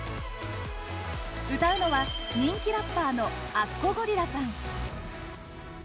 歌うのは人気ラッパーのあっこゴリラさん。